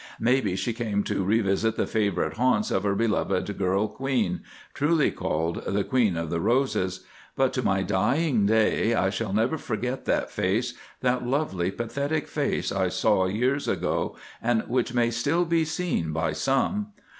Maybe she came to revisit the favourite haunts of her beloved girl Queen—truly called the Queen of the Roses; but to my dying day I shall never forget that face, that lovely, pathetic face I saw years ago, and which may still be seen by some.